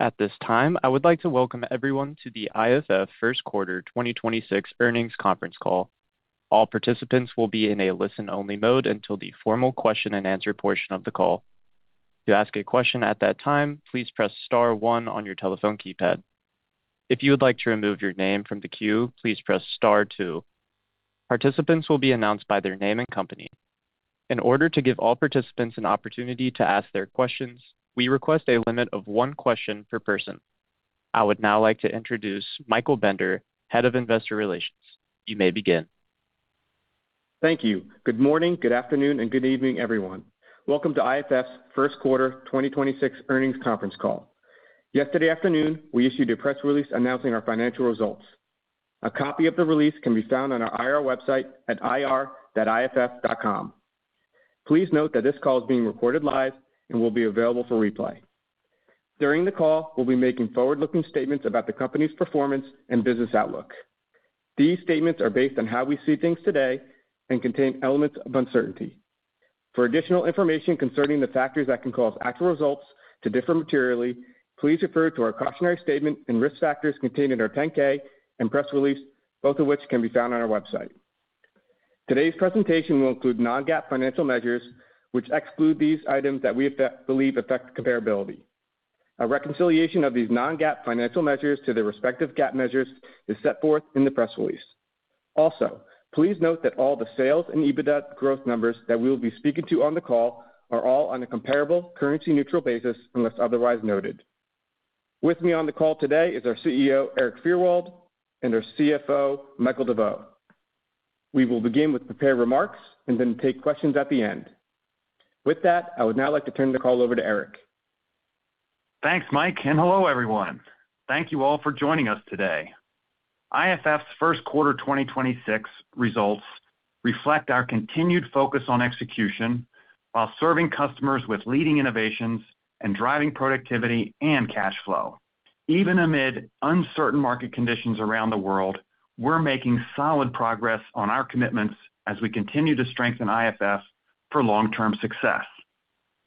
At this time, I would like to welcome everyone to the IFF first quarter 2026 earnings conference Call. All participants will be in a listen-only mode until the formal question-and-answer portion of the call. To ask a question at that time, please press star one on your telephone keypad. If you would like to remove your name from the queue, please press star two. Participants will be announced by their name and company. In order to give all participants an opportunity to ask their questions, we request a limit of one question per person. I would now like to introduce Michael Bender, Head of Investor Relations. You may begin. Thank you. Good morning, good afternoon, and good evening, everyone. Welcome to IFF's first quarter 2026 earnings conference call. Yesterday afternoon, we issued a press release announcing our financial results. A copy of the release can be found on our IR website at ir.iff.com. Please note that this call is being recorded live and will be available for replay. During the call, we'll be making forward-looking statements about the company's performance and business outlook. These statements are based on how we see things today and contain elements of uncertainty. For additional information concerning the factors that can cause actual results to differ materially, please refer to our cautionary statement and risk factors contained in our Form 10-K and press release, both of which can be found on our website. Today's presentation will include non-GAAP financial measures which exclude these items that we believe affect comparability. A reconciliation of these non-GAAP financial measures to their respective GAAP measures is set forth in the press release. Please note that all the sales and EBITDA growth numbers that we will be speaking to on the call are all on a comparable currency-neutral basis unless otherwise noted. With me on the call today is our CEO, Erik Fyrwald, and our CFO, Michael DeVeau. We will begin with prepared remarks and then take questions at the end. With that, I would now like to turn the call over to Erik. Thanks, Mike. Hello, everyone. Thank you all for joining us today. IFF's first quarter 2026 results reflect our continued focus on execution while serving customers with leading innovations and driving productivity and cash flow. Even amid uncertain market conditions around the world, we're making solid progress on our commitments as we continue to strengthen IFF for long-term success.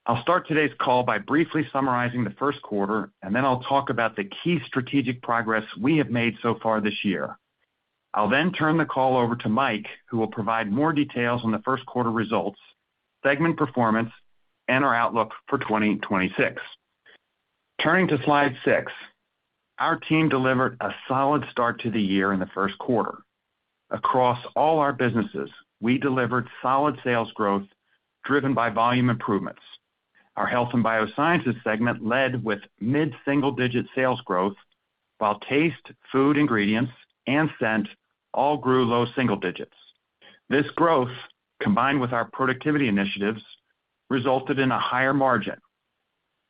I'll start today's call by briefly summarizing the first quarter, and then I'll talk about the key strategic progress we have made so far this year. I'll then turn the call over to Mike, who will provide more details on the first quarter results, segment performance, and our outlook for 2026. Turning to slide 6, our team delivered a solid start to the year in the first quarter. Across all our businesses, we delivered solid sales growth driven by volume improvements. Our Health & Biosciences segment led with mid-single-digit sales growth, while Taste, Food Ingredients, and Scent all grew low single digits. This growth, combined with our productivity initiatives, resulted in a higher margin.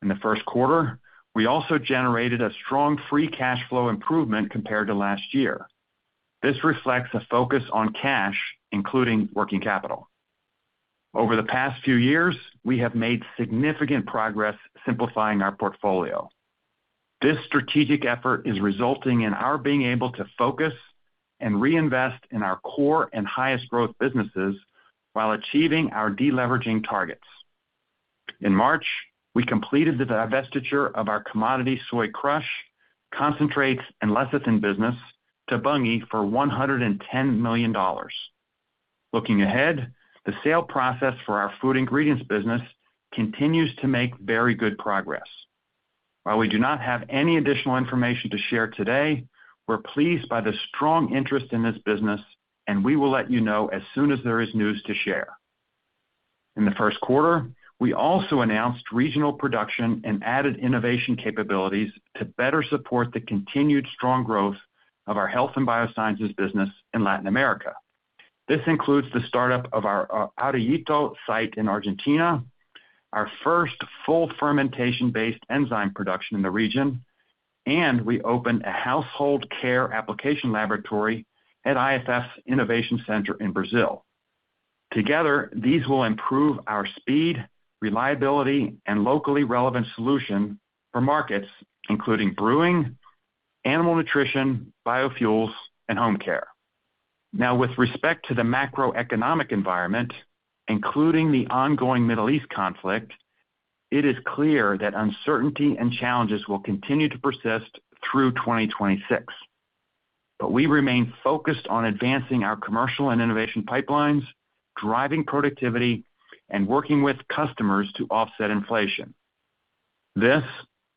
In the first quarter, we also generated a strong free cash flow improvement compared to last year. This reflects a focus on cash, including working capital. Over the past few years, we have made significant progress simplifying our portfolio. This strategic effort is resulting in our being able to focus and reinvest in our core and highest growth businesses while achieving our deleveraging targets. In March, we completed the divestiture of our commodity soy crush, concentrates, and lecithin business to Bunge for $110 million. Looking ahead, the sale process for our Food Ingredients business continues to make very good progress. While we do not have any additional information to share today, we're pleased by the strong interest in this business, and we will let you know as soon as there is news to share. In the first quarter, we also announced regional production and added innovation capabilities to better support the continued strong growth of our Health & Biosciences business in Latin America. This includes the startup of our Arroyito site in Argentina, our first full fermentation-based enzyme production in the region, and we opened a household care application laboratory at IFF's innovation center in Brazil. Together, these will improve our speed, reliability, and locally relevant solution for markets, including brewing, Animal Nutrition, biofuels, and home care. With respect to the macroeconomic environment, including the ongoing Middle East conflict, it is clear that uncertainty and challenges will continue to persist through 2026. We remain focused on advancing our commercial and innovation pipelines, driving productivity, and working with customers to offset inflation. This,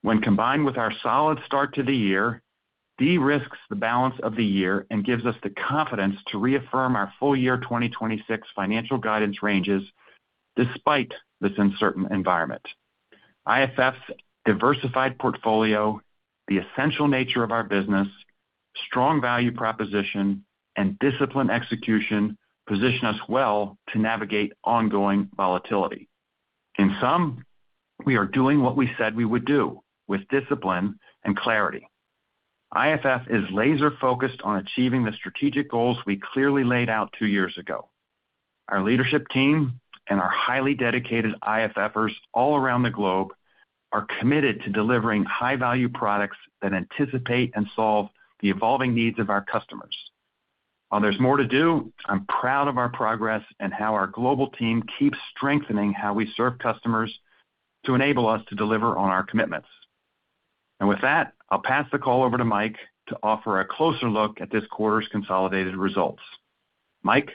when combined with our solid start to the year, de-risks the balance of the year and gives us the confidence to reaffirm our full year 2026 financial guidance ranges despite this uncertain environment. IFF's diversified portfolio, the essential nature of our business, strong value proposition, and disciplined execution position us well to navigate ongoing volatility. In sum, we are doing what we said we would do with discipline and clarity. IFF is laser-focused on achieving the strategic goals we clearly laid out two years ago. Our leadership team and our highly dedicated IFFers all around the globe are committed to delivering high-value products that anticipate and solve the evolving needs of our customers. While there's more to do, I'm proud of our progress and how our global team keeps strengthening how we serve customers to enable us to deliver on our commitments. With that, I'll pass the call over to Mike to offer a closer look at this quarter's consolidated results. Mike?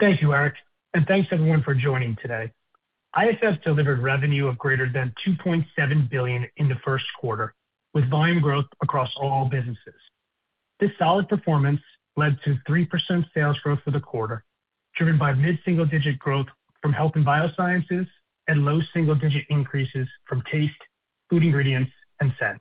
Thank you, Erik, and thanks, everyone, for joining today. IFF delivered revenue of greater than $2.7 billion in the first quarter, with volume growth across all businesses. This solid performance led to 3% sales growth for the quarter, driven by mid-single-digit growth from Health & Biosciences and low single-digit increases from Taste, Food Ingredients, and Scent.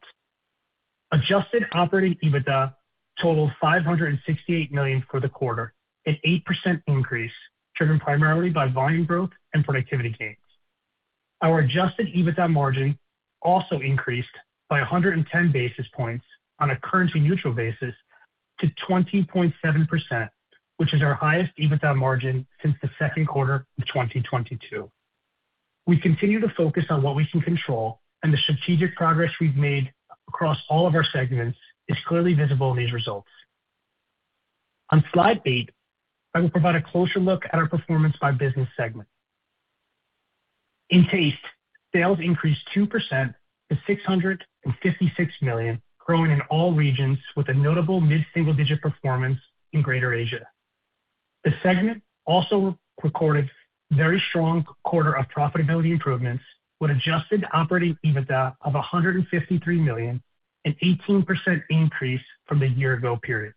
Adjusted operating EBITDA totaled $568 million for the quarter, an 8% increase driven primarily by volume growth and productivity gains. Our adjusted EBITDA margin also increased by 110 basis points on a currency-neutral basis to 20.7%, which is our highest EBITDA margin since the second quarter of 2022. We continue to focus on what we can control, and the strategic progress we've made across all of our segments is clearly visible in these results. On slide 8, I will provide a closer look at our performance by business segment. In Taste, sales increased 2% to $656 million, growing in all regions with a notable mid-single-digit performance in Greater Asia. The segment also recorded very strong quarter of profitability improvements with adjusted operating EBITDA of $153 million, an 18% increase from the year ago period.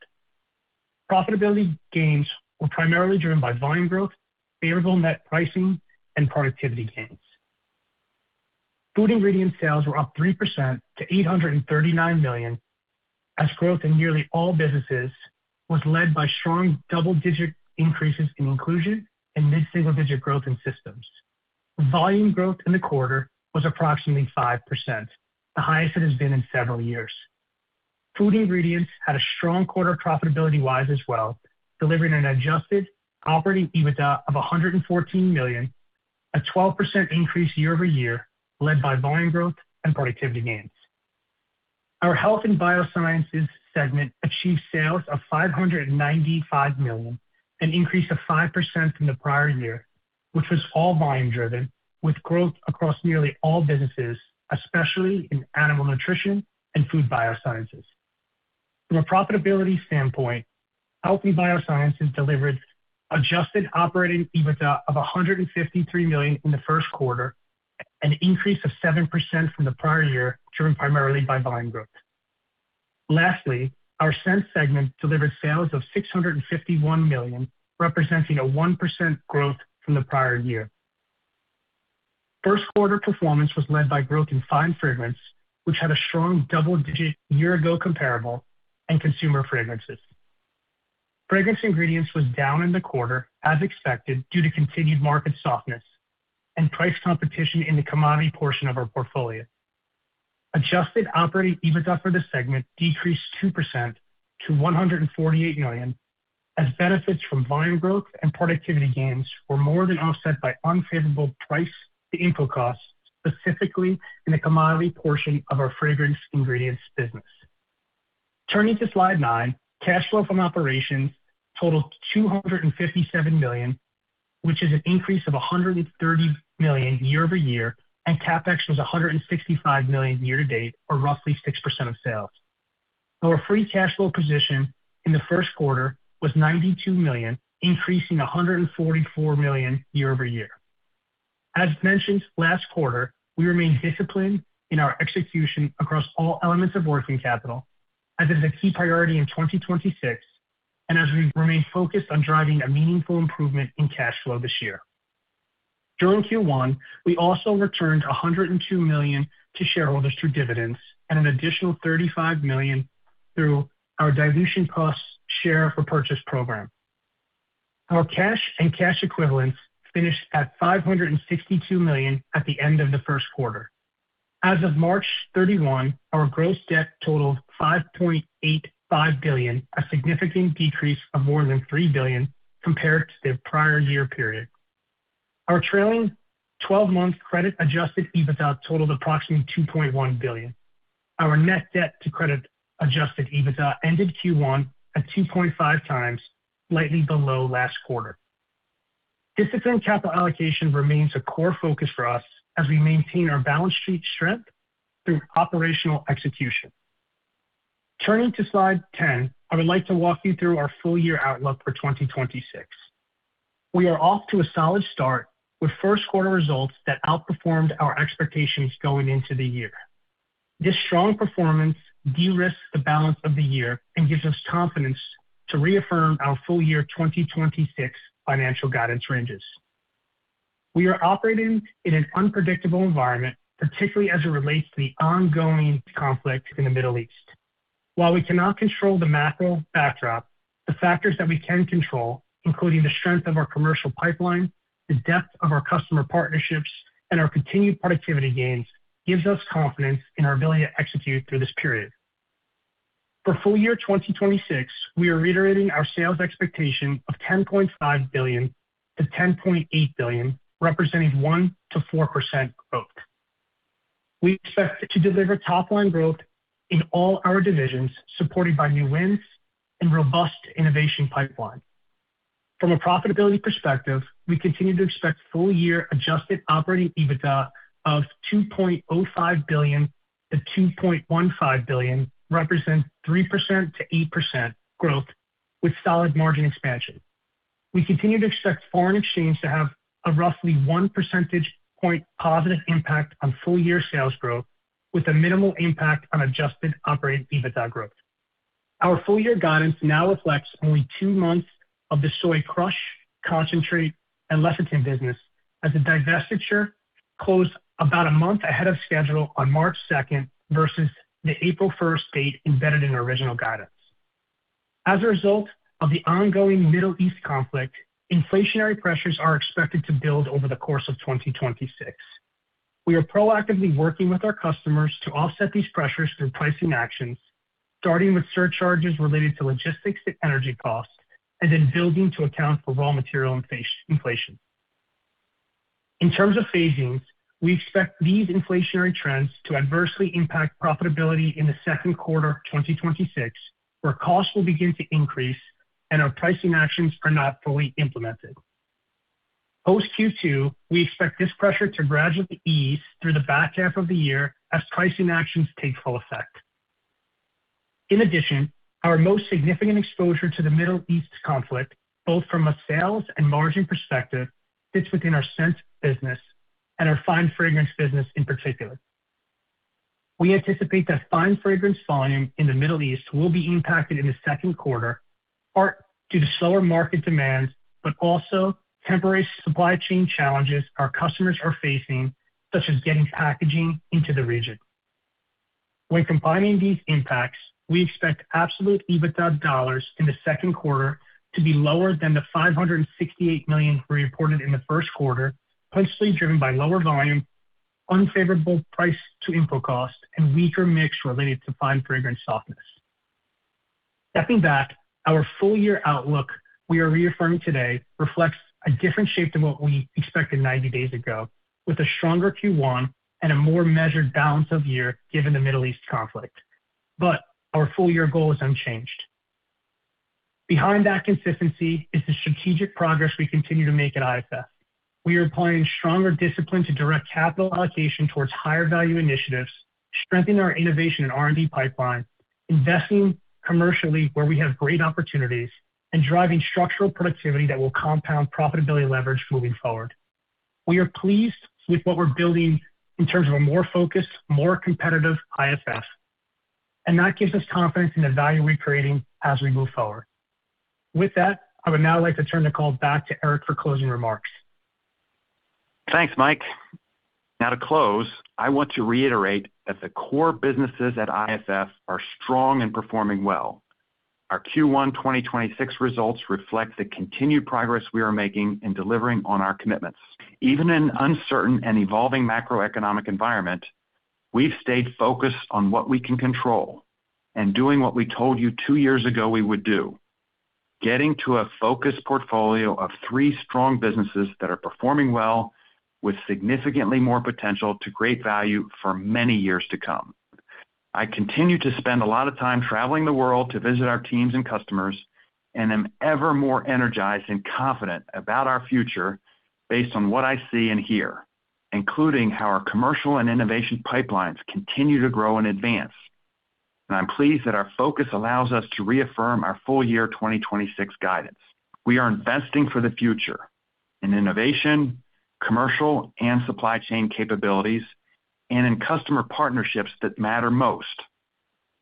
Profitability gains were primarily driven by volume growth, favorable net pricing, and productivity gains. Food Ingredients sales were up 3% to $839 million, as growth in nearly all businesses was led by strong double-digit increases in Inclusions and mid-single-digit growth in Systems. Volume growth in the quarter was approximately 5%, the highest it has been in several years. Food Ingredients had a strong quarter profitability-wise as well, delivering an adjusted operating EBITDA of $114 million, a 12% increase year-over-year led by volume growth and productivity gains. Our Health & Biosciences segment achieved sales of $595 million, an increase of 5% from the prior year, which was all volume driven, with growth across nearly all businesses, especially in Animal Nutrition and Food Biosciences. From a profitability standpoint, Health & Biosciences delivered adjusted operating EBITDA of $153 million in the first quarter, an increase of 7% from the prior year, driven primarily by volume growth. Lastly, our Scent segment delivered sales of $651 million, representing a 1% growth from the prior year. First quarter performance was led by growth in Fine Fragrance, which had a strong double-digit year ago comparable and Consumer Fragrance. Fragrance Ingredients was down in the quarter, as expected, due to continued market softness and price competition in the commodity portion of our portfolio. Adjusted operating EBITDA for the segment decreased 2% to $148 million, as benefits from volume growth and productivity gains were more than offset by unfavorable price to input costs, specifically in the commodity portion of our Fragrance Ingredients business. Turning to slide 9, cash flow from operations totaled $257 million, which is an increase of $130 million year-over-year. CapEx was $165 million year-to-date, or roughly 6% of sales. Our free cash flow position in the first quarter was $92 million, increasing $144 million year-over-year. As mentioned last quarter, we remain disciplined in our execution across all elements of working capital, as it is a key priority in 2026 and as we remain focused on driving a meaningful improvement in cash flow this year. During Q1, we also returned $102 million to shareholders through dividends and an additional $35 million through our dilution plus share repurchase program. Our cash and cash equivalents finished at $562 million at the end of the first quarter. As of March 31, our gross debt totaled $5.85 billion, a significant decrease of more than $3 billion compared to the prior year period. Our trailing 12-month credit adjusted EBITDA totaled approximately $2.1 billion. Our net debt to credit adjusted EBITDA ended Q1 at 2.5x, slightly below last quarter. Disciplined capital allocation remains a core focus for us as we maintain our balance sheet strength through operational execution. Turning to slide 10, I would like to walk you through our full year outlook for 2026. We are off to a solid start with first quarter results that outperformed our expectations going into the year. This strong performance de-risks the balance of the year and gives us confidence to reaffirm our full year 2026 financial guidance ranges. We are operating in an unpredictable environment, particularly as it relates to the ongoing conflict in the Middle East. While we cannot control the macro backdrop, the factors that we can control, including the strength of our commercial pipeline, the depth of our customer partnerships, and our continued productivity gains, gives us confidence in our ability to execute through this period. For full year 2026, we are reiterating our sales expectation of $10.5 billion-$10.8 billion, representing 1%-4% growth. We expect to deliver top line growth in all our divisions, supported by new wins and robust innovation pipeline. From a profitability perspective, we continue to expect full year adjusted operating EBITDA of $2.05 billion-$2.15 billion, representing 3%-8% growth with solid margin expansion. We continue to expect foreign exchange to have a roughly 1 percentage point positive impact on full year sales growth with a minimal impact on adjusted operating EBITDA growth. Our full year guidance now reflects only two months of the soy crush, concentrate and lecithin business as the divestiture closed about a month ahead of schedule on March second versus the April first date embedded in original guidance. As a result of the ongoing Middle East conflict, inflationary pressures are expected to build over the course of 2026. We are proactively working with our customers to offset these pressures through pricing actions, starting with surcharges related to logistics to energy costs, and then building to account for raw material inflation. In terms of phasings, we expect these inflationary trends to adversely impact profitability in the second quarter of 2026, where costs will begin to increase and our pricing actions are not fully implemented. Post Q2, we expect this pressure to gradually ease through the back half of the year as pricing actions take full effect. In addition, our most significant exposure to the Middle East conflict, both from a sales and margin perspective, sits within our Scent business and our Fine Fragrance business in particular. We anticipate that Fine Fragrance volume in the Middle East will be impacted in the second quarter, part due to slower market demands, but also temporary supply chain challenges our customers are facing, such as getting packaging into the region. When combining these impacts, we expect absolute EBITDA dollars in the second quarter to be lower than the $568 million we reported in the first quarter, partially driven by lower volume, unfavorable price to input cost, and weaker mix related to Fine Fragrance softness. Our full year outlook we are reaffirming today reflects a different shape than what we expected 90 days ago, with a stronger Q1 and a more measured balance of year given the Middle East conflict. Our full year goal is unchanged. Behind that consistency is the strategic progress we continue to make at IFF. We are applying stronger discipline to direct capital allocation towards higher value initiatives, strengthening our innovation and R&D pipeline, investing commercially where we have great opportunities, and driving structural productivity that will compound profitability leverage moving forward. We are pleased with what we're building in terms of a more focused, more competitive IFF, and that gives us confidence in the value we're creating as we move forward. With that, I would now like to turn the call back to Erik for closing remarks. Thanks, Mike. To close, I want to reiterate that the core businesses at IFF are strong and performing well. Our Q1 2026 results reflect the continued progress we are making in delivering on our commitments. Even in uncertain and evolving macroeconomic environment, we've stayed focused on what we can control and doing what we told you two years ago we would do. Getting to a focused portfolio of three strong businesses that are performing well with significantly more potential to create value for many years to come. I continue to spend a lot of time traveling the world to visit our teams and customers, and I'm ever more energized and confident about our future based on what I see and hear, including how our commercial and innovation pipelines continue to grow and advance. I'm pleased that our focus allows us to reaffirm our full year 2026 guidance. We are investing for the future in innovation, commercial, and supply chain capabilities, and in customer partnerships that matter most.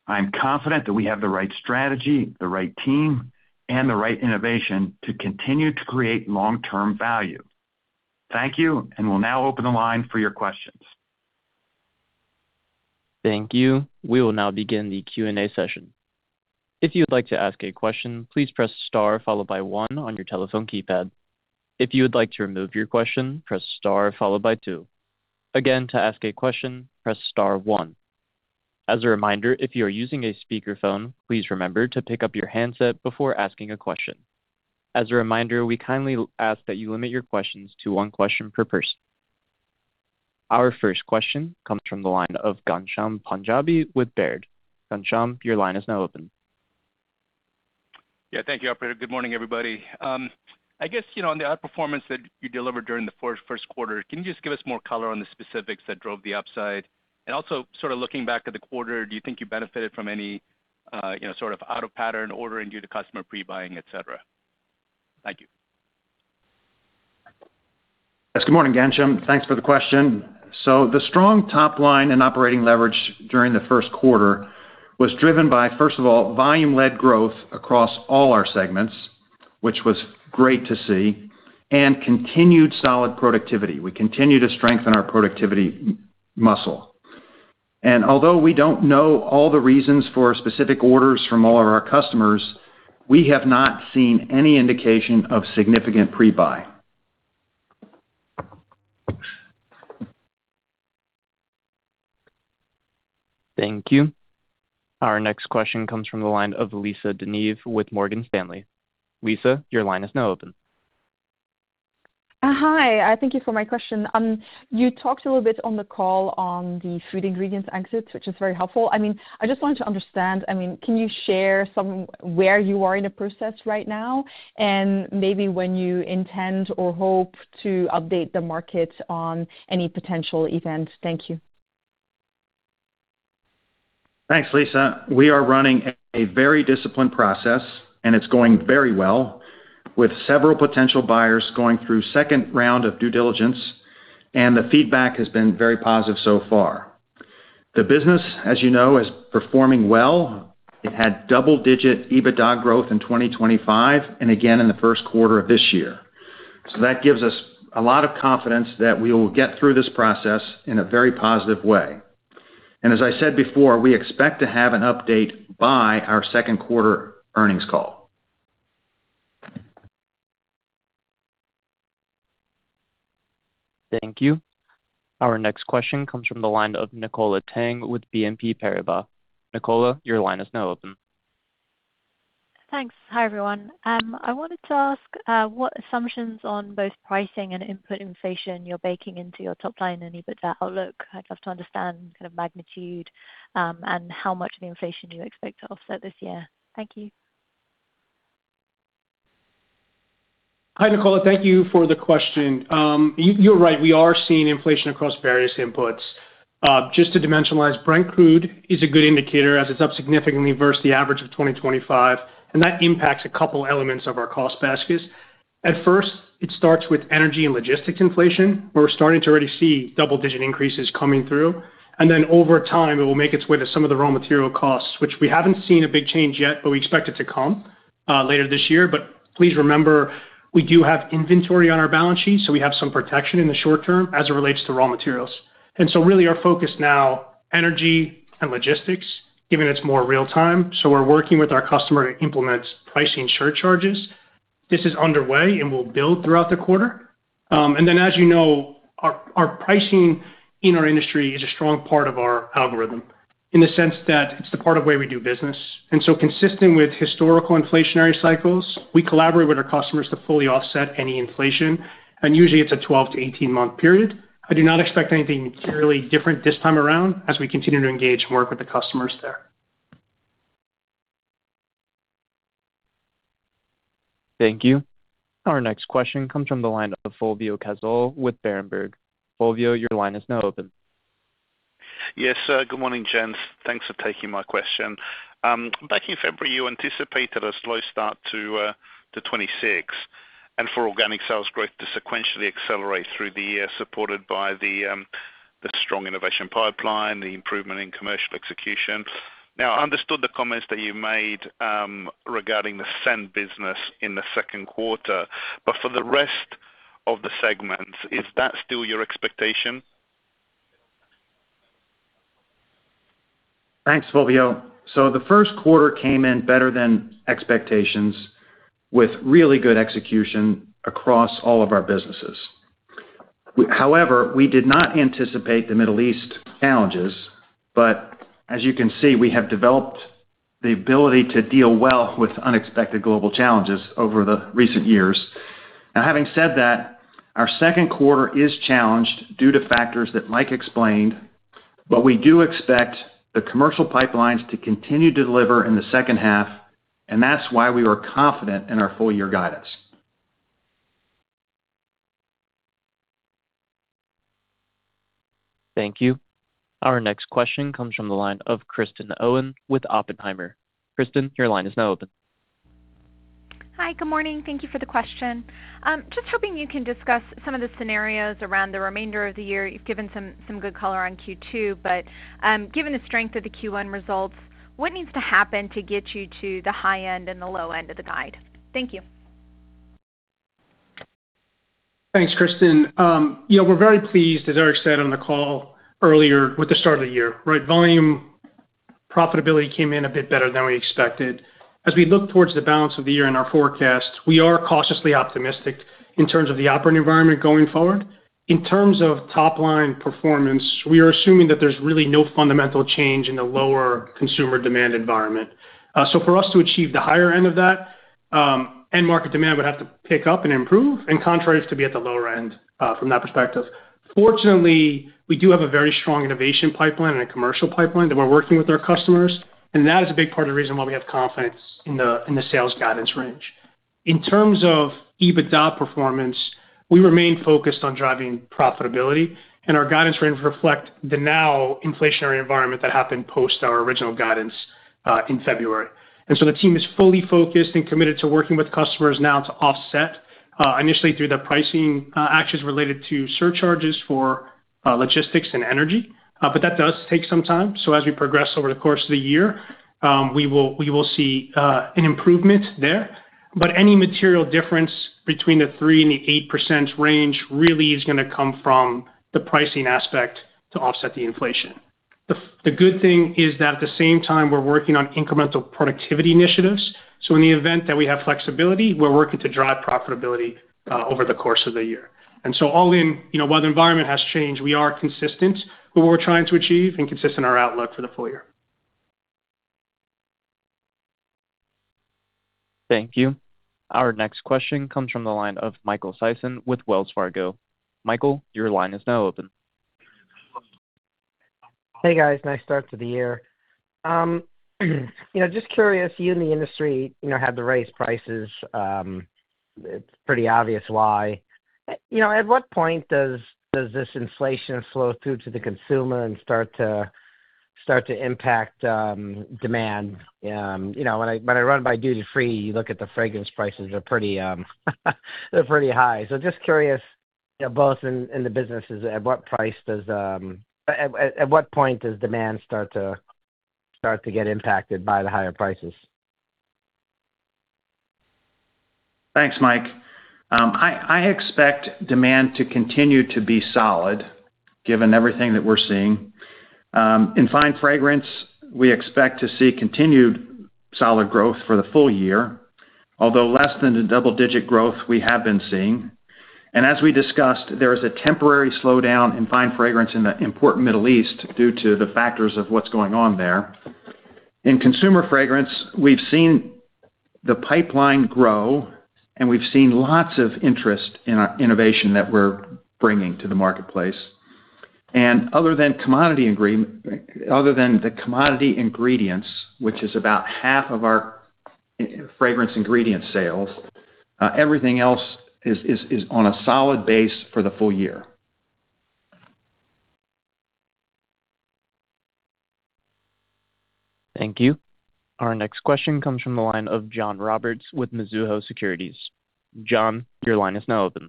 I am confident that we have the right strategy, the right team, and the right innovation to continue to create long-term value. Thank you. We'll now open the line for your questions. Thank you. We will now begin the Q&A session. If you'd like to ask a question, please press star followed by one on your telephone keypad. If you would like to remove your question, press star followed by two. Again, to ask a question, press star one. As a reminder, if you are using a speakerphone, please remember to pick up your handset before asking a question. As a reminder, we kindly ask that you limit your questions to 1 question per person. Our first question comes from the line of Ghansham Panjabi with Baird. Ghansham, your line is now open. Yeah. Thank you, operator. Good morning, everybody. I guess, you know, on the outperformance that you delivered during the first quarter, can you just give us more color on the specifics that drove the upside? Also sort of looking back at the quarter, do you think you benefited from any, you know, sort of out of pattern ordering due to customer pre-buying, et cetera? Thank you. Yes. Good morning, Ghansham. Thanks for the question. The strong top line and operating leverage during the first quarter was driven by, first of all, volume-led growth across all our segments, which was great to see, and continued solid productivity. We continue to strengthen our productivity muscle. Although we don't know all the reasons for specific orders from all of our customers, we have not seen any indication of significant pre-buy. Thank you. Our next question comes from the line of Lisa De Neve with Morgan Stanley. Lisa, your line is now open. Hi, thank you for my question. You talked a little bit on the call on the Food Ingredients exits, which is very helpful. I mean, I just wanted to understand, I mean, can you share some where you are in the process right now, and maybe when you intend or hope to update the market on any potential events? Thank you. Thanks, Lisa. We are running a very disciplined process, and it's going very well, with several potential buyers going through second round of due diligence, and the feedback has been very positive so far. The business, as you know, is performing well. It had double-digit EBITDA growth in 2025 and again in the 1st quarter of this year. That gives us a lot of confidence that we will get through this process in a very positive way. As I said before, we expect to have an update by our second quarter earnings call. Thank you. Our next question comes from the line of Nicola Tang with BNP Paribas. Nicola, your line is now open. Thanks. Hi, everyone. I wanted to ask what assumptions on both pricing and input inflation you're baking into your top line and EBITDA outlook. I'd love to understand kind of magnitude, and how much of the inflation do you expect to offset this year. Thank you. Hi, Nicola. Thank you for the question. You're right. We are seeing inflation across various inputs. Just to dimensionalize, Brent crude is a good indicator as it's up significantly versus the average of 2025, and that impacts a couple elements of our cost baskets. At first, it starts with energy and logistics inflation, where we're starting to already see double-digit increases coming through. Over time, it will make its way to some of the raw material costs, which we haven't seen a big change yet, but we expect it to come later this year. Please remember, we do have inventory on our balance sheet. We have some protection in the short term as it relates to raw materials. Really our focus now, energy and logistics, given it's more real-time. We're working with our customer to implement pricing surcharges. This is underway and will build throughout the quarter. As you know, our pricing in our industry is a strong part of our algorithm in the sense that it's the part of way we do business. Consistent with historical inflationary cycles, we collaborate with our customers to fully offset any inflation, and usually it's a 12-18 month period. I do not expect anything materially different this time around as we continue to engage and work with the customers there. Thank you. Our next question comes from the line of Fulvio Cazzol with Berenberg. Fulvio, your line is now open. Yes, sir. Good morning, gents. Thanks for taking my question. Back in February, you anticipated a slow start to 2026 and for organic sales growth to sequentially accelerate through the year, supported by the strong innovation pipeline, the improvement in commercial execution. Now, I understood the comments that you made regarding the Scent business in the second quarter. For the rest of the segments, is that still your expectation? Thanks, Fulvio. The first quarter came in better than expectations with really good execution across all of our businesses. However, we did not anticipate the Middle East challenges, but as you can see, we have developed the ability to deal well with unexpected global challenges over the recent years. Having said that, our second quarter is challenged due to factors that Mike explained, but we do expect the commercial pipelines to continue to deliver in the second half, and that's why we are confident in our full year guidance. Thank you. Our next question comes from the line of Kristen Owen with Oppenheimer. Kristen, your line is now open. Hi. Good morning. Thank you for the question. Just hoping you can discuss some of the scenarios around the remainder of the year. You've given some good color on Q2, given the strength of the Q1 results, what needs to happen to get you to the high end and the low end of the guide? Thank you. Thanks, Kristen. You know, we're very pleased, as Erik said on the call earlier with the start of the year, right? Volume profitability came in a bit better than we expected. We look towards the balance of the year in our forecast, we are cautiously optimistic in terms of the operating environment going forward. In terms of top-line performance, we are assuming that there's really no fundamental change in the lower consumer demand environment. For us to achieve the higher end of that, end market demand would have to pick up and improve and contrary to be at the lower end, from that perspective. Fortunately, we do have a very strong innovation pipeline and a commercial pipeline that we're working with our customers, and that is a big part of the reason why we have confidence in the sales guidance range. In terms of EBITDA performance, we remain focused on driving profitability, Our guidance range reflect the now inflationary environment that happened post our original guidance in February. The team is fully focused and committed to working with customers now to offset initially through the pricing actions related to surcharges for logistics and energy. That does take some time. As we progress over the course of the year, we will see an improvement there. Any material difference between the 3% and the 8% range really is gonna come from the pricing aspect to offset the inflation. The good thing is that at the same time, we're working on incremental productivity initiatives. In the event that we have flexibility, we're working to drive profitability over the course of the year. All in, you know, while the environment has changed, we are consistent with what we're trying to achieve and consistent in our outlook for the full year. Thank you. Our next question comes from the line of Michael Sison with Wells Fargo. Michael, your line is now open. Hey, guys, nice start to the year. you know, just curious, you in the industry, you know, had to raise prices. It's pretty obvious why. you know, at what point does this inflation flow through to the consumer and start to impact demand? You know, when I run by duty-free, you look at the fragrance prices are pretty, they're pretty high. just curious, you know, both in the businesses, at what point does demand start to get impacted by the higher prices? Thanks, Mike. I expect demand to continue to be solid given everything that we're seeing. In Fine Fragrance, we expect to see continued solid growth for the full year, although less than the double-digit growth we have been seeing. As we discussed, there is a temporary slowdown in Fine Fragrance in the important Middle East due to the factors of what's going on there. In Consumer Fragrance, we've seen the pipeline grow, and we've seen lots of interest in our innovation that we're bringing to the marketplace. Other than the commodity ingredients, which is about half of our Fragrance Ingredients sales, everything else is on a solid base for the full year. Thank you. Our next question comes from the line of John Roberts with Mizuho Securities. John, your line is now open.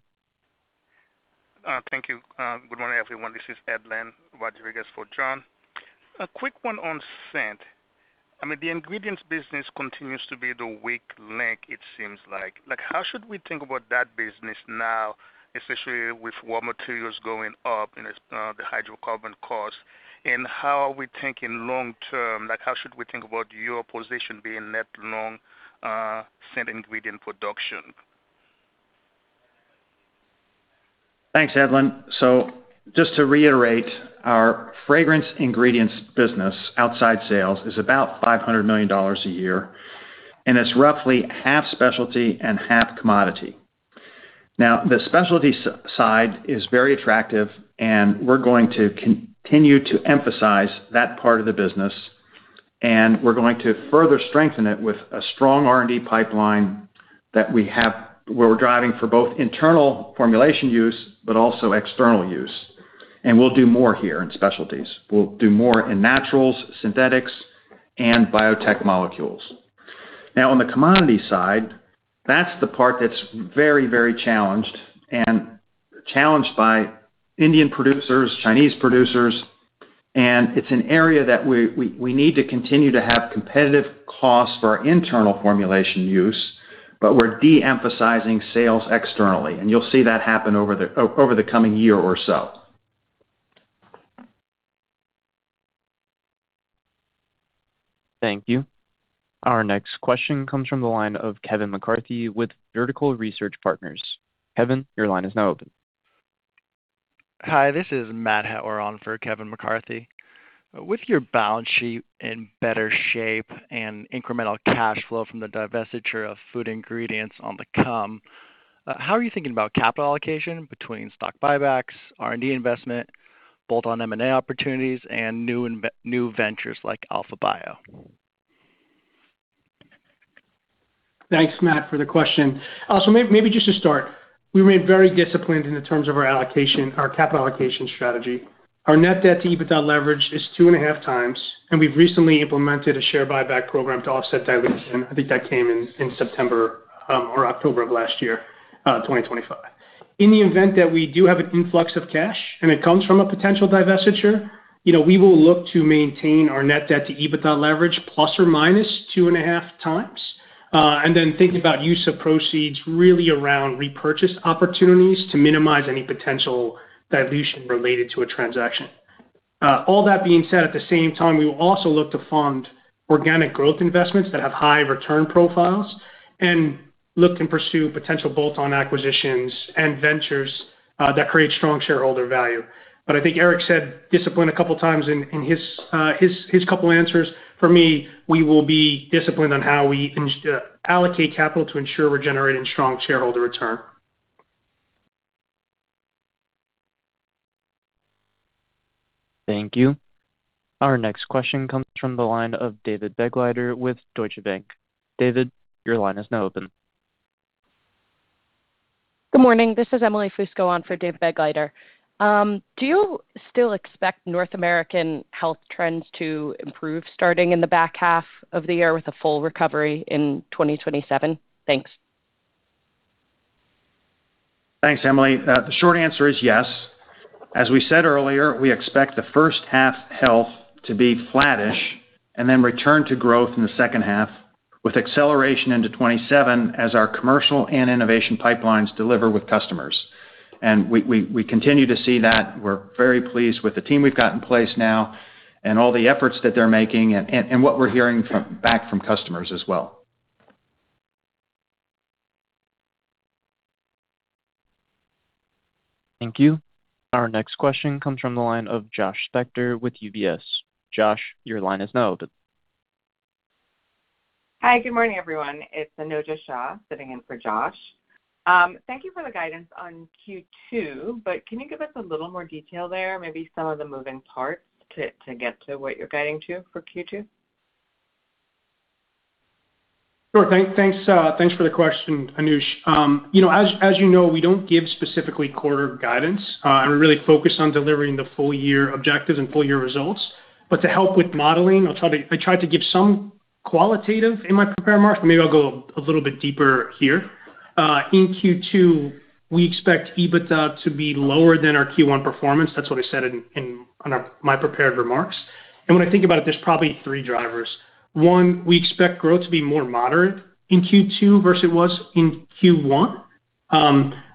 Thank you. Good morning, everyone. This is Edlain Rodriguez for John. A quick one on Scent. I mean, the Ingredients business continues to be the weak link, it seems like. Like, how should we think about that business now, especially with raw materials going up and the hydrocarbon cost? How are we thinking long term? Like, how should we think about your position being net long, Scent Ingredient production? Thanks, Edlain. Just to reiterate, our Fragrance Ingredients business outside sales is about $500 million a year, and it's roughly half specialty and half commodity. The specialty side is very attractive, and we're going to continue to emphasize that part of the business, and we're going to further strengthen it with a strong R&D pipeline that we have, where we're driving for both internal formulation use but also external use. We'll do more here in specialties. We'll do more in naturals, synthetics, and biotech molecules. On the commodity side, that's the part that's very challenged and challenged by Indian producers, Chinese producers. It's an area that we need to continue to have competitive costs for our internal formulation use, but we're de-emphasizing sales externally. You'll see that happen over the coming year or so. Thank you. Our next question comes from the line of Kevin McCarthy with Vertical Research Partners. Kevin, your line is now open. Hi, this is Matt Hauer on for Kevin McCarthy. With your balance sheet in better shape and incremental cash flow from the divestiture of Food Ingredients on the come, how are you thinking about capital allocation between stock buybacks, R&D investment, bolt-on M&A opportunities, and new ventures like Alpha Bio? Thanks, Matt, for the question. We remain very disciplined in the terms of our allocation, our capital allocation strategy. Our net debt to EBITDA leverage is 2.5x, and we've recently implemented a share buyback program to offset dilution. I think that came in September, or October of last year, 2025. In the event that we do have an influx of cash and it comes from a potential divestiture, you know, we will look to maintain our net debt to EBITDA leverage ±2.5x. Then thinking about use of proceeds really around repurchase opportunities to minimize any potential dilution related to a transaction. All that being said, at the same time, we will also look to fund organic growth investments that have high return profiles and look to pursue potential bolt-on acquisitions and ventures that create strong shareholder value. I think Erik said discipline a couple times in his couple answers. For me, we will be disciplined on how we allocate capital to ensure we're generating strong shareholder return. Thank you. Our next question comes from the line of David Begleiter with Deutsche Bank. David, your line is now open. Good morning. This is Emily Fusco on for David Begleiter. Do you still expect North American health trends to improve starting in the back half of the year with a full recovery in 2027? Thanks. Thanks, Emily. The short answer is yes. As we said earlier, we expect the first half Health & Biosciences to be flattish and then return to growth in the second half with acceleration into 2027 as our commercial and innovation pipelines deliver with customers. We continue to see that. We're very pleased with the team we've got in place now and all the efforts that they're making and what we're hearing back from customers as well. Thank you. Our next question comes from the line of Josh Spector with UBS. Josh, your line is now open. Hi. Good morning, everyone. It's Anojja Shah sitting in for Josh. Thank you for the guidance on Q2, but can you give us a little more detail there, maybe some of the moving parts to get to what you're guiding to for Q2? Sure. Thank, thanks for the question, Anojj. You know, as you know, we don't give specifically quarter guidance. We're really focused on delivering the full year objectives and full year results. To help with modeling, I tried to give some qualitative in my prepared remarks. Maybe I'll go a little bit deeper here. In Q2, we expect EBITDA to be lower than our Q1 performance. That's what I said in my prepared remarks. When I think about it, there's probably three drivers. One, we expect growth to be more moderate in Q2 versus it was in Q1.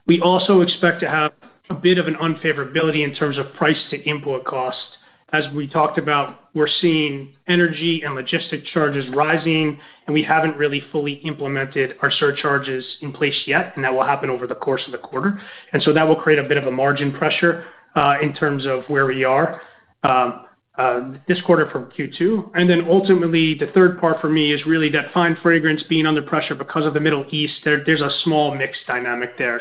We also expect to have a bit of an unfavorability in terms of price to input costs. As we talked about, we're seeing energy and logistic charges rising. We haven't really fully implemented our surcharges in place yet. That will happen over the course of the quarter. That will create a bit of a margin pressure in terms of where we are this quarter from Q2. Ultimately, the third part for me is really that Fine Fragrance being under pressure because of the Middle East. There's a small mix dynamic there.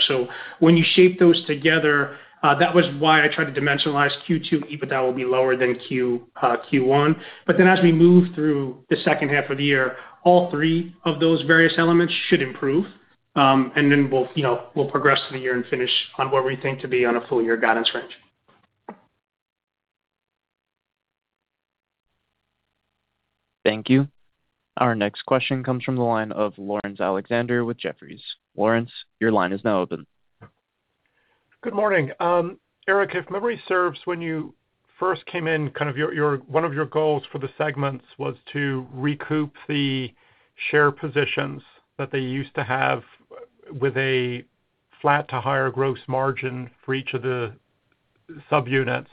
When you shape those together, that was why I tried to dimensionalize Q2 EBITDA will be lower than Q1. As we move through the second half of the year, all three of those various elements should improve. We'll, you know, we'll progress through the year and finish on where we think to be on a full year guidance range. Thank you. Our next question comes from the line of Laurence Alexander with Jefferies. Laurence, your line is now open. Good morning. Erik, if memory serves, when you first came in, one of your goals for the segments was to recoup the share positions that they used to have with a flat-to-higher gross margin for each of the subunits.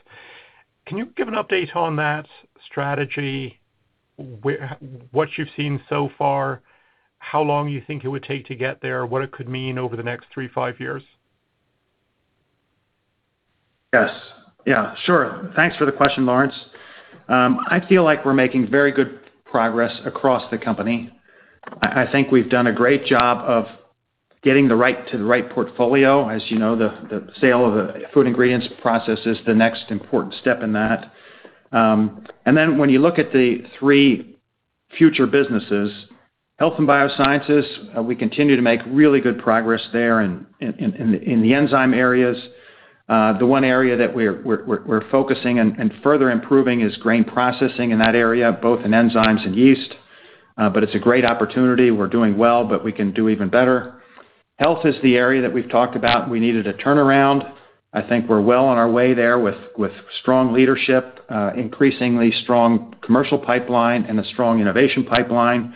Can you give an update on that strategy? What you've seen so far? How long you think it would take to get there? What it could mean over the next 3, 5 years? Yes. Yeah, sure. Thanks for the question, Laurence. I feel like we're making very good progress across the company. I think we've done a great job of getting to the right portfolio. As you know, the sale of the Food Ingredients process is the next important step in that. When you look at the three future businesses, Health & Biosciences, we continue to make really good progress there in the enzyme areas. The one area that we're focusing and further improving is Grain Processing in that area, both in enzymes and yeast. It's a great opportunity. We're doing well, but we can do even better. Health is the area that we've talked about we needed a turnaround. I think we're well on our way there with strong leadership, increasingly strong commercial pipeline and a strong innovation pipeline.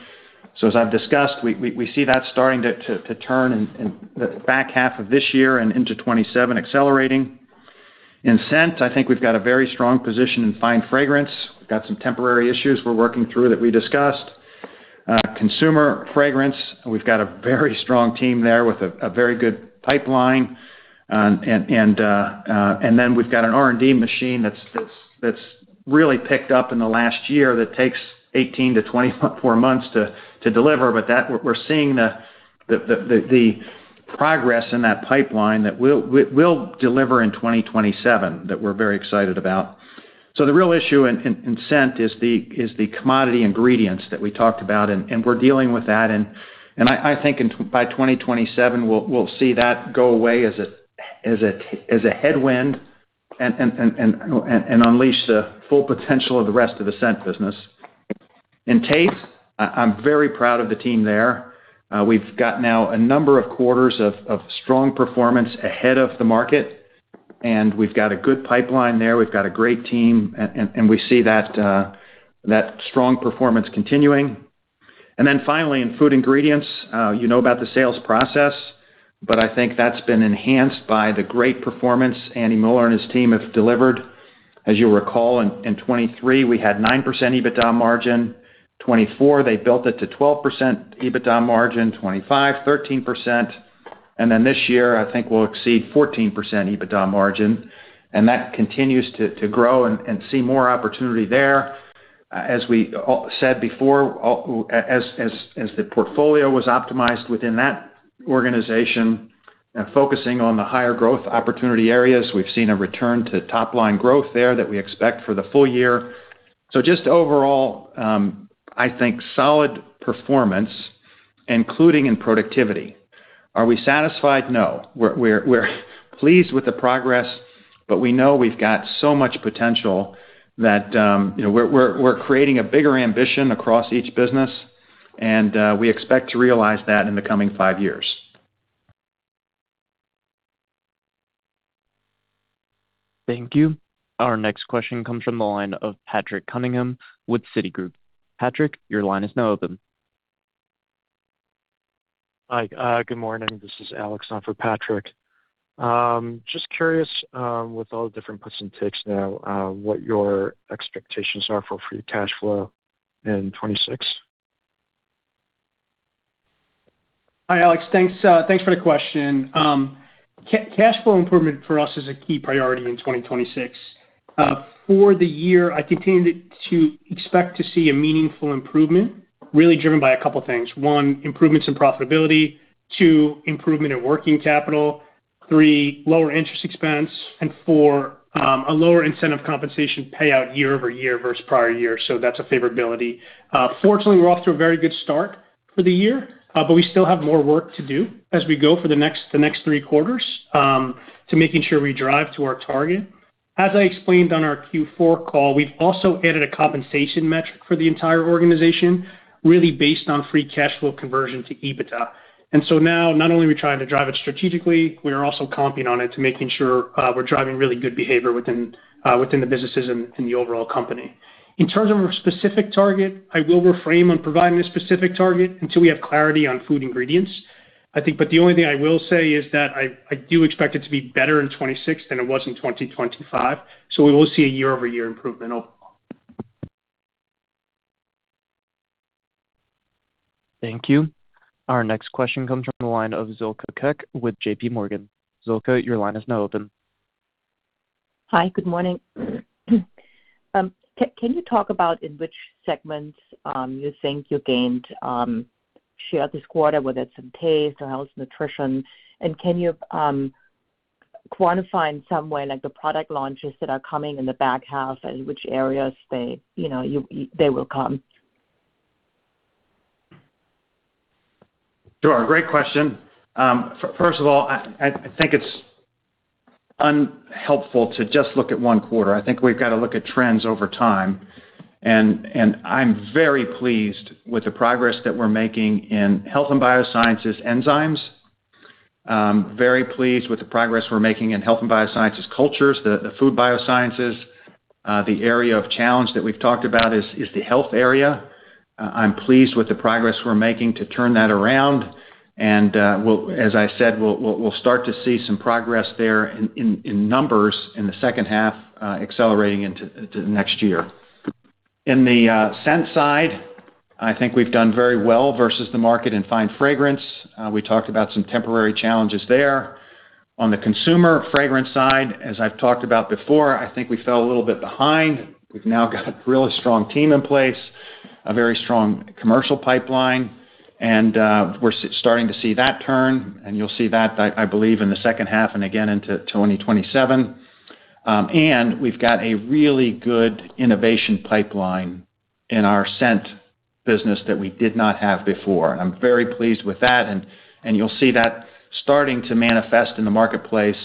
As I've discussed, we see that starting to turn in the back half of this year and into 2027 accelerating. In Scent, I think we've got a very strong position in Fine Fragrance. We've got some temporary issues we're working through that we discussed. Consumer Fragrance, we've got a very strong team there with a very good pipeline. And then we've got an R&D machine that's really picked up in the last year that takes 18-24 months to deliver. We're seeing the progress in that pipeline that we'll deliver in 2027 that we're very excited about. The real issue in Scent is the commodity ingredients that we talked about, and we're dealing with that. I think by 2027, we'll see that go away as a headwind and unleash the full potential of the rest of the Scent business. In Taste, I'm very proud of the team there. We've got now a number of quarters of strong performance ahead of the market, and we've got a good pipeline there. We've got a great team and we see that strong performance continuing. Finally, in Food Ingredients, you know about the sales process, but I think that's been enhanced by the great performance Andy Muller and his team have delivered. As you recall, in 2023, we had 9% EBITDA margin. 2024, they built it to 12% EBITDA margin. 2025, 13%. This year, I think we'll exceed 14% EBITDA margin, and that continues to grow and see more opportunity there. As we all said before, as the portfolio was optimized within that organization, focusing on the higher growth opportunity areas, we've seen a return to top-line growth there that we expect for the full year. Just overall, I think solid performance, including in productivity. Are we satisfied? No. We're pleased with the progress, but we know we've got so much potential that, you know, we're creating a bigger ambition across each business, and we expect to realize that in the coming five years. Thank you. Our next question comes from the line of Patrick Cunningham with Citigroup. Patrick, your line is now open. Hi. Good morning. This is Alex on for Patrick. Just curious, with all the different puts and ticks now, what your expectations are for free cash flow in 2026? Hi, Alex. Thanks, thanks for the question. Cash flow improvement for us is a key priority in 2026. For the year, I continue to expect to see a meaningful improvement, really driven by a couple things. One, improvements in profitability. Two, improvement in working capital. Three, lower interest expense. Four, a lower incentive compensation payout year-over-year versus prior year. That's a favorability. Fortunately, we're off to a very good start for the year, but we still have more work to do as we go for the next three quarters to making sure we drive to our target. As I explained on our Q4 call, we've also added a compensation metric for the entire organization, really based on free cash flow conversion to EBITDA. Now, not only are we trying to drive it strategically, we are also comping on it to making sure we're driving really good behavior within the businesses and the overall company. In terms of a specific target, I will reframe on providing a specific target until we have clarity on Food Ingredients, I think. The only thing I will say is that I do expect it to be better in 2026 than it was in 2025, so we will see a year-over-year improvement overall. Thank you. Our next question comes from the line of Silke Kueck with JPMorgan. Silke, your line is now open. Hi, good morning. Can you talk about in which segments you think you gained share this quarter, whether it's in Taste or Health & Biosciences Can you quantify in some way, like the product launches that are coming in the back half and which areas they, you know, they will come? Sure. Great question. First of all, I think it's unhelpful to just look at one quarter. I think we've got to look at trends over time. I'm very pleased with the progress that we're making in Health & Biosciences enzymes. Very pleased with the progress we're making in Health & Biosciences cultures, the Food Biosciences. The area of challenge that we've talked about is the health area. I'm pleased with the progress we're making to turn that around. As I said, we'll start to see some progress there in numbers in the 2nd half, accelerating into next year. In the Scent side, I think we've done very well versus the market in Fine Fragrance. We talked about some temporary challenges there. On the Consumer Fragrance side, as I've talked about before, I think we fell a little bit behind. We've now got a really strong team in place, a very strong commercial pipeline, and we're starting to see that turn, and you'll see that, I believe, in the second half and again into 2027. We've got a really good innovation pipeline in our Scent business that we did not have before. I'm very pleased with that, and you'll see that starting to manifest in the marketplace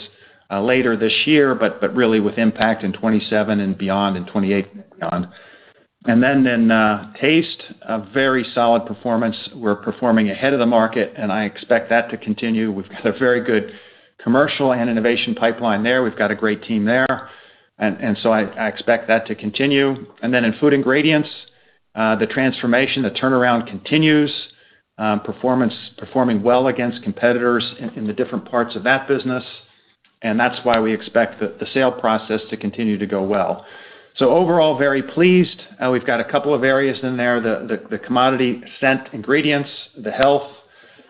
later this year, but really with impact in 27 and beyond, in 28 and beyond. In Taste, a very solid performance. We're performing ahead of the market, and I expect that to continue. We've got a very good commercial and innovation pipeline there. We've got a great team there. I expect that to continue. In Food Ingredients, the transformation, the turnaround continues. Performing well against competitors in the different parts of that business, and that's why we expect the sale process to continue to go well. Overall, very pleased. We've got a couple of areas in there, the commodity Scent Ingredients, the Health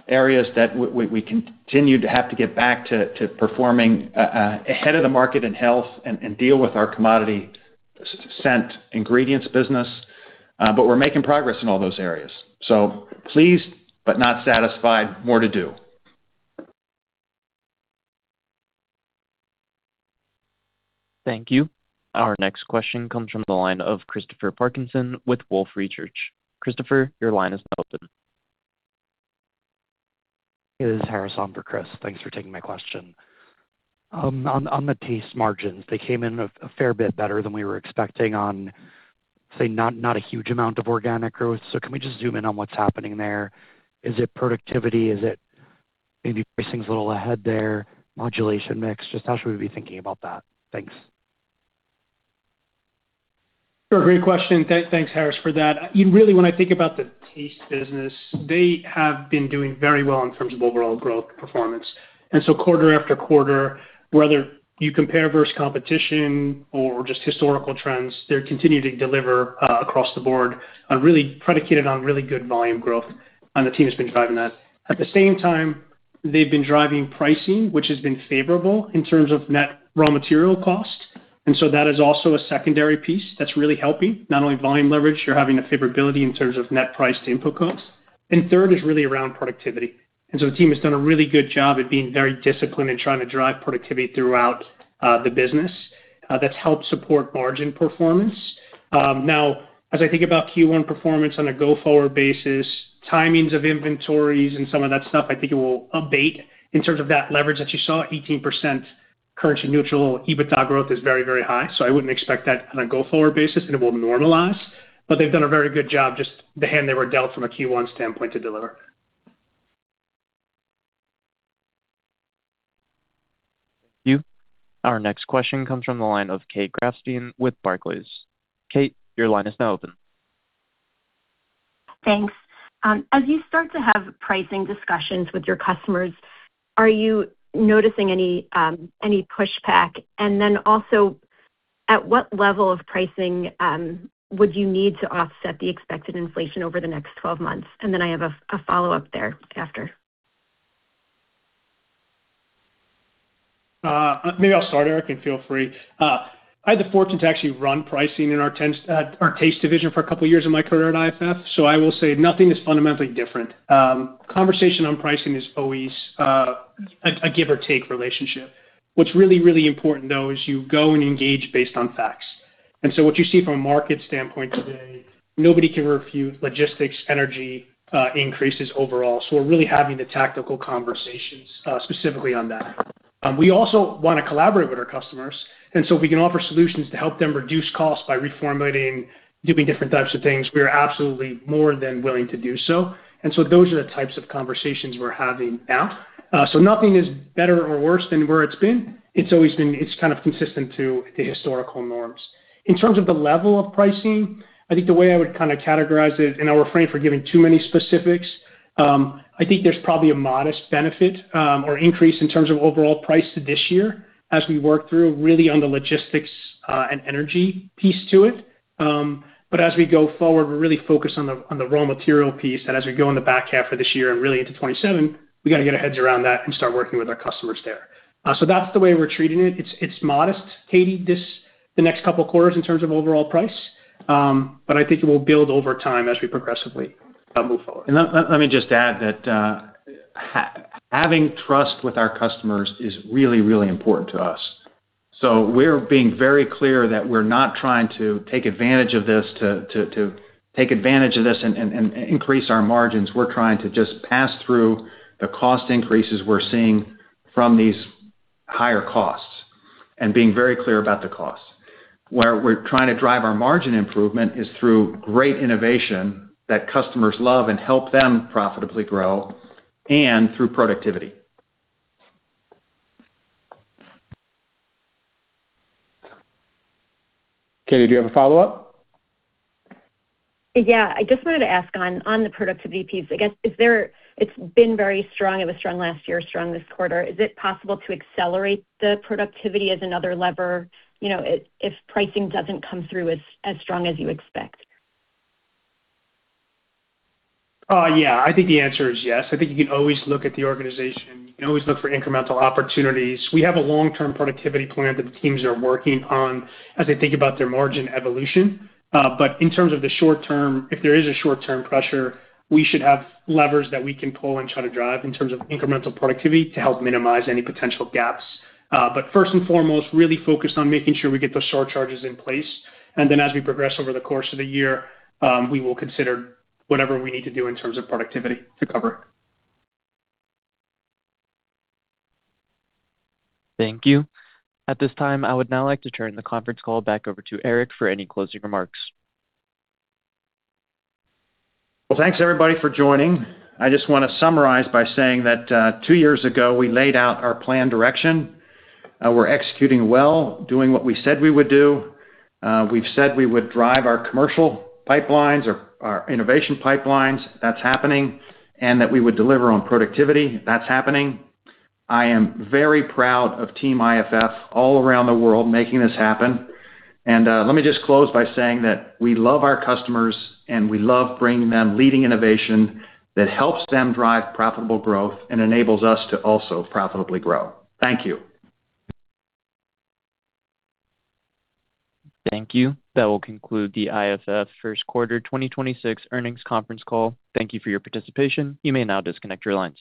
that we continue to have to get back to performing ahead of the market in Health and deal with our commodity Scent Ingredients business. We're making progress in all those areas. Pleased but not satisfied. More to do. Thank you. Our next question comes from the line of Christopher Parkinson with Wolfe Research. Christopher, your line is now open. It is Harris on for Chris. Thanks for taking my question. On the Taste margins, they came in a fair bit better than we were expecting on, say, not a huge amount of organic growth. Can we just zoom in on what's happening there? Is it productivity? Is it maybe pricing's a little ahead there? Modulation mix? Just how should we be thinking about that? Thanks. Sure. Great question. Thanks, Harris, for that. Really, when I think about the Taste business, they have been doing very well in terms of overall growth performance. Quarter-after-quarter, whether you compare versus competition or just historical trends, they're continuing to deliver across the board predicated on really good volume growth, and the team has been driving that. At the same time, they've been driving pricing, which has been favorable in terms of net raw material cost. That is also a secondary piece that's really helping. Not only volume leverage, you're having a favorability in terms of net price to input costs. Third is really around productivity. The team has done a really good job at being very disciplined in trying to drive productivity throughout the business. That's helped support margin performance. As I think about Q1 performance on a go-forward basis, timings of inventories and some of that stuff, I think it will abate in terms of that leverage that you saw. 18% currency neutral EBITDA growth is very, very high. I wouldn't expect that on a go-forward basis, and it will normalize. They've done a very good job, just the hand they were dealt from a Q1 standpoint to deliver. Thank you. Our next question comes from the line of Kate Grafstein with Barclays. Kate, your line is now open. Thanks. As you start to have pricing discussions with your customers. Are you noticing any pushback? Also, at what level of pricing would you need to offset the expected inflation over the next 12 months? I have a follow-up thereafter. Maybe I'll start, Erik, feel free. I had the fortune to actually run pricing in our Taste for a couple of years in my career at IFF. I will say nothing is fundamentally different. Conversation on pricing is always a give or take relationship. What's really, really important, though, is you go and engage based on facts. What you see from a market standpoint today, nobody can refute logistics, energy, increases overall. We're really having the tactical conversations specifically on that. We also wanna collaborate with our customers. We can offer solutions to help them reduce costs by reformulating, doing different types of things, we are absolutely more than willing to do so. Those are the types of conversations we're having now. Nothing is better or worse than where it's been. It's kind of consistent to the historical norms. In terms of the level of pricing, I think the way I would kind of categorize it, and I'll refrain from giving too many specifics, I think there's probably a modest benefit, or increase in terms of overall price to this year as we work through really on the logistics, and energy piece to it. As we go forward, we're really focused on the raw material piece, and as we go in the back half of this year and really into 2027, we got to get our heads around that and start working with our customers there. That's the way we're treating it. It's modest, Katie, the next couple of quarters in terms of overall price, but I think it will build over time as we progressively move forward. Let me just add that having trust with our customers is really important to us. We're being very clear that we're not trying to take advantage of this to take advantage of this and increase our margins. We're trying to just pass through the cost increases we're seeing from these higher costs and being very clear about the costs. Where we're trying to drive our margin improvement is through great innovation that customers love and help them profitably grow and through productivity. Kate, do you have a follow-up? Yeah. I just wanted to ask on the productivity piece, I guess. It's been very strong. It was strong last year, strong this quarter. Is it possible to accelerate the productivity as another lever, you know, if pricing doesn't come through as strong as you expect? Yeah. I think the answer is yes. I think you can always look at the organization. You can always look for incremental opportunities. We have a long-term productivity plan that the teams are working on as they think about their margin evolution. In terms of the short-term, if there is a short-term pressure, we should have levers that we can pull and try to drive in terms of incremental productivity to help minimize any potential gaps. First and foremost, really focused on making sure we get those surcharges in place. Then as we progress over the course of the year, we will consider whatever we need to do in terms of productivity to cover it. Thank you. At this time, I would now like to turn the conference call back over to Erik for any closing remarks. Thanks, everybody, for joining. I just wanna summarize by saying that, two years ago, we laid out our planned direction. We're executing well, doing what we said we would do. We've said we would drive our commercial pipelines, our innovation pipelines. That's happening. That we would deliver on productivity. That's happening. I am very proud of team IFF all around the world making this happen. Let me just close by saying that we love our customers, and we love bringing them leading innovation that helps them drive profitable growth and enables us to also profitably grow. Thank you. Thank you. That will conclude the IFF first quarter 2026 earnings conference call. Thank you for your participation. You may now disconnect your lines.